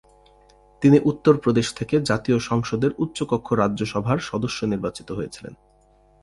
তিনি উত্তর প্রদেশ থেকে জাতীয় সংসদের উচ্চকক্ষ রাজ্যসভার সদস্য নির্বাচিত হয়েছিলেন।